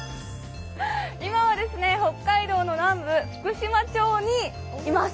今はですね北海道の南部福島町にいます。